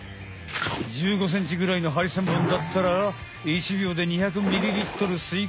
１５センチぐらいのハリセンボンだったら１秒で２００ｍｌ吸い込むけいさん。